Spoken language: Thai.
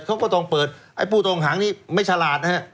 เขาก็ต้องเปิดไอ้ผู้ต้องหางนี้ไม่ฉลาดนะฮะ